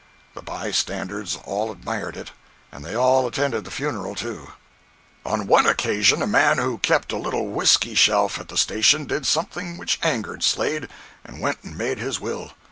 The bystanders all admired it. And they all attended the funeral, too. On one occasion a man who kept a little whisky shelf at the station did something which angered Slade—and went and made his will.